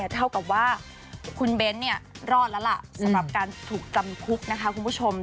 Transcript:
เท่ากับว่าคุณเบ้นรอดแล้วล่ะสำหรับการถูกจำคุกนะคะคุณผู้ชม